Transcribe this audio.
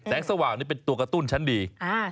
สว่างนี่เป็นตัวกระตุ้นชั้นดี